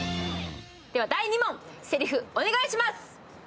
では第２問、セリフ、お願いします